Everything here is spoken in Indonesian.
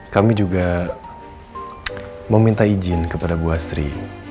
kami juga meminta izin kepada ibu asri